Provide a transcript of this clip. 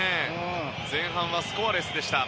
前半はスコアレスでした。